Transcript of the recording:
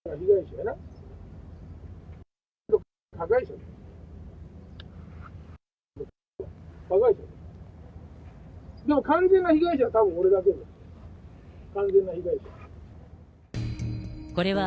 でも完全な被害者はたぶん俺だけ、完全な被害者は。